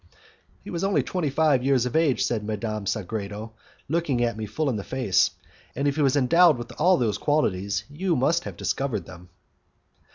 "He was only twenty five years of age," said Madame Sagredo, looking me full in the face, "and if he was endowed with all those qualities, you must have discovered them."